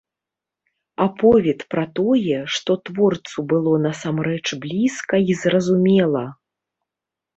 Аповед пра тое, што творцу было насамрэч блізка й зразумела.